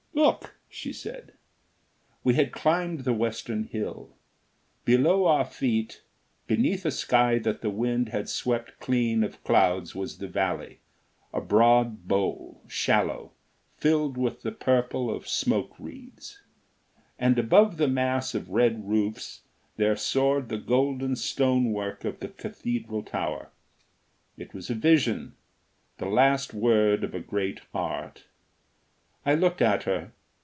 "Look!" she said. We had climbed the western hill. Below our feet, beneath a sky that the wind had swept clean of clouds, was the valley; a broad bowl, shallow, filled with the purple of smoke wreaths. And above the mass of red roofs there soared the golden stonework of the cathedral tower. It was a vision, the last word of a great art. I looked at her.